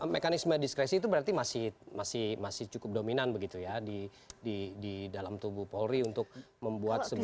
mekanisme diskresi itu berarti masih cukup dominan begitu ya di dalam tubuh polri untuk membuat sebuah